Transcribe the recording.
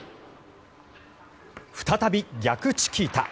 再び逆チキータ。